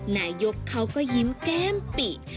นายกเขาก็ยิ้มแก้มปิ